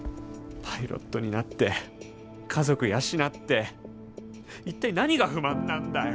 パイロットになって家族養って一体何が不満なんだよ。